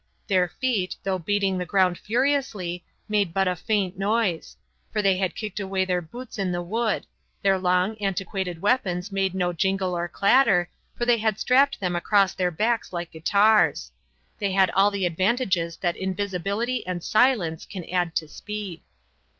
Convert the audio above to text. Their feet, though beating the ground furiously, made but a faint noise; for they had kicked away their boots in the wood; their long, antiquated weapons made no jingle or clatter, for they had strapped them across their backs like guitars. They had all the advantages that invisibility and silence can add to speed.